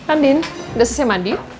andin udah selesai mandi